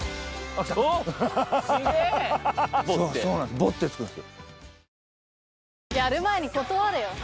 ボッてつくんですよ。